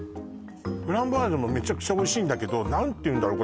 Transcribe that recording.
フランボワーズもめちゃくちゃおいしいんだけど何ていうんだろう